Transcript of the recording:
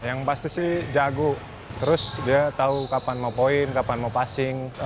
yang pasti sih jago terus dia tahu kapan mau poin kapan mau passing